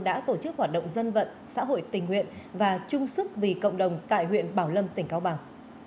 đã tổ chức hoạt động dân vận xã hội tình nguyện và chung sức vì cộng đồng tại huyện bảo lâm tỉnh cao bằng